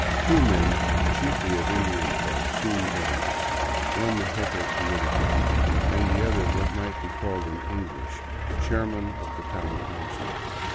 Two men, chiefly of Indian blood, soon joined us, one the jefe politico, and the other what might be called in English chairman of the town council.